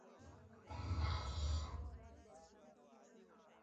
ده غوښتل چې تر خپل سیال یې واړوي.